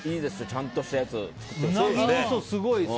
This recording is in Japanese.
ちゃんとしたやつ作ってほしいですね。